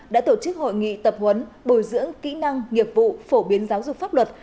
đã tổ chức hội nghị tập huấn bồi dưỡng kỹ năng nghiệp vụ phổ biến giáo dục pháp luật